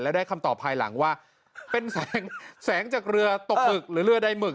และได้คำตอบภายหลังว่าเป็นแสงจากเรือตกหมึกหรือเรือใดหมึก